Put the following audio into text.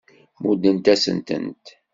Muddent-asent-tent.